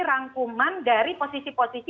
rangkuman dari posisi posisi